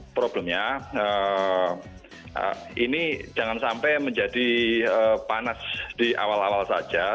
problemnya ini jangan sampai menjadi panas di awal awal saja